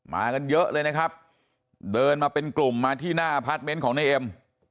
มากันเยอะเลยนะครับเดินมาเป็นกลุ่มมาที่หน้าพาร์ทเมนต์ของนายเอ็ม